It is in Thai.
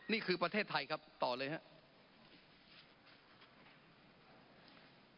นี่คือประเทศไทยครับต่อเลยครับ